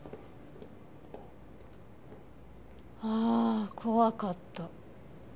あ怖かった。